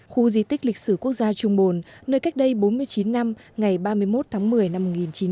khu di tích lịch sử quốc gia trung bồn nơi cách đây bốn mươi chín năm ngày ba mươi một tháng một mươi năm một nghìn chín trăm bốn mươi